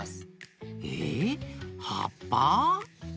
えはっぱ？